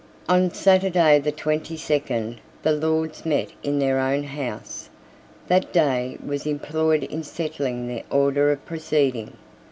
On Saturday the twenty second the Lords met in their own house. That day was employed in settling the order of proceeding.